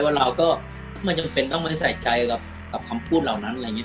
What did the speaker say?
เพราะเราก็ไม่จำเป็นต้องมาใส่ใจกับคำพูดเหล่านั้น